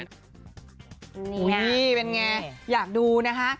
นี่เป็นไงอยากดูนะคะ